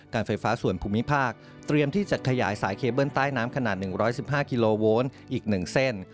ไฟฟ้าส่วนภูมิภาคเตรียมที่จะขยายสายเคเบิ้ลใต้น้ำขนาด๑๑๕กิโลโวนอีก๑เส้น